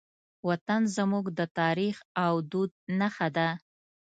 وطن زموږ د تاریخ او دود نښه ده.